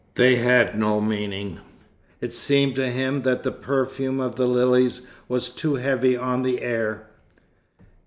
They had no meaning. It seemed to him that the perfume of the lilies was too heavy on the air.